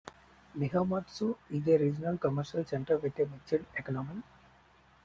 Nihonmatsu is a regional commercial center with a mixed economy.